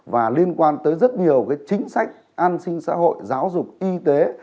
và liên quan tới rất nhiều chính sách an sinh xã hội giáo dục y tế